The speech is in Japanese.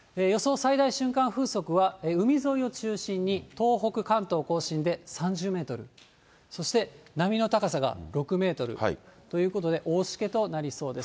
最大瞬間風速は、海沿いを中心に東北、関東甲信で３０メートル、そして波の高さが６メートルということで、大しけとなりそうです。